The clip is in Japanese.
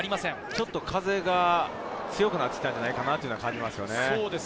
ちょっと風が強くなってきたんじゃないかなと感じます。